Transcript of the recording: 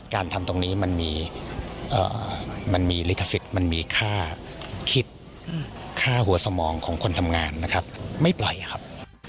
การทำตรงนี้มันมีมันมีลิขสิทธิ์มันมีค่าคิดค่าหัวสมองของคนทำงานนะครับไม่ปล่อยครับ